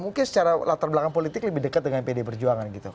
mungkin secara latar belakang politik lebih dekat dengan pd perjuangan gitu